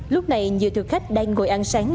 lúc này nhiều thực khách đang ngồi ăn sáng